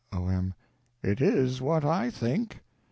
O.M. It is what I think.